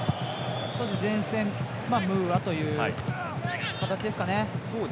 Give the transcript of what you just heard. そして、前線はムーアという形ですかね。